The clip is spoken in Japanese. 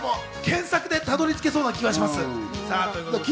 検索でたどり着けそうな気がします。